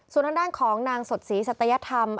ส่วนทางด้านของนางสดศรีสัตยธรรม